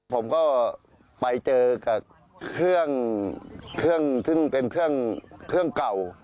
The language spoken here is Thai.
ผมก็ไปเจอกับเครื่องซึ่งเป็นเครื่องเก่า